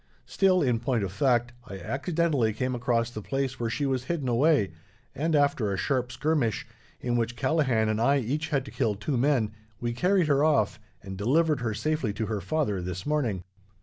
Still, in point of fact, I accidentally came across the place where she was hidden away, and after a sharp skirmish, in which Callaghan and I each had to kill two men, we carried her off, and delivered her safely to her father this morning."